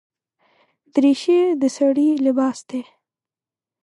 دریشي د سړي لباس دی.